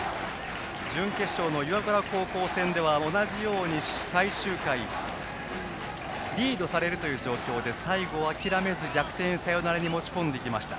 準決勝の岩倉高校戦では同じように最終回、リードされる状況で最後、諦めずに逆転サヨナラに持ち込んできました。